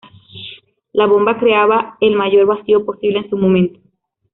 La bomba creaba el mayor vacío posible en su momento.